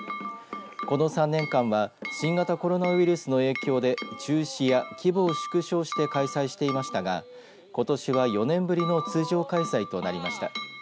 この３年間は新型コロナウイルスの影響で中止や規模を縮小して開催していましたがことしは４年ぶりの通常開催となりました。